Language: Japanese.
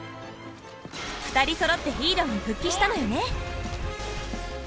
２人そろってヒーローに復帰したのよね。